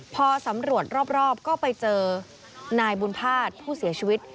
พอสำรวจรอบก็ไปเจอนายบุญภาษณ์ผู้เสียชีวิต